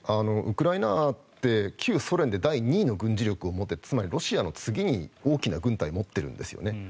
ウクライナって旧ソ連で第２位の軍事力を持っていてつまりロシアの次に大きな軍隊を持っているんですよね。